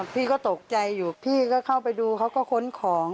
พี่ก็ตกใจอยู่พี่ก็เข้าไปดูเขาก็ค้นของ